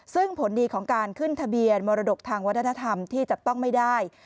ซึ่งผลดีของการขึ้นทะเบียนมรดกทางวัฒนธรรมที่จับต้องไม่ได้